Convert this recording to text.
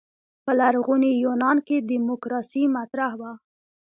په لرغوني یونان کې دیموکراسي مطرح وه.